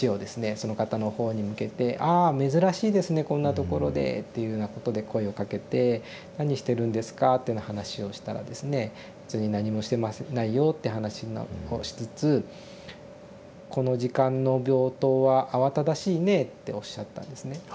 そのかたのほうに向けて「ああ珍しいですねこんなところで」っていうようなことで声をかけて「何してるんですか？」というような話をしたらですね「別に何もしてないよ」って話をしつつ「この時間の病棟は慌ただしいね」っておっしゃったんですね。